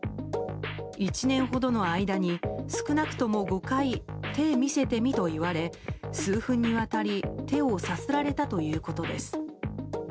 １年ほどの間に少なくとも５回手見せてみと言われ数分にわたり手をさすられたということです。